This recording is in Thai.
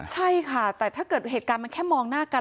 ใช่ค่ะแต่ถ้าเกิดเหตุการณ์มันแค่มองหน้ากัน